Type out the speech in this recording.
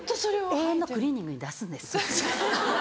永遠のクリーニングに出すんですよ。